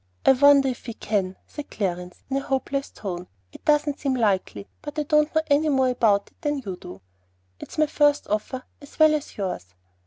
"I wonder if we can," said Clarence, in a hopeless tone. "It doesn't seem likely; but I don't know any more about it than you do. It's my first offer as well as yours."